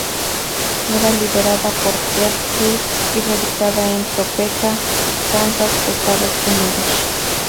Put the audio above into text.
Era liderada por Fred Phelps y radicada en Topeka, Kansas, Estados Unidos.